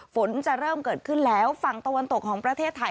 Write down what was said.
ฝนจะเริ่มเกิดขึ้นแล้วฝั่งตะวันตกของประเทศไทย